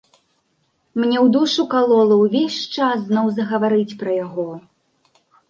Мне ў душу калола ўвесь час зноў загаварыць пра яго.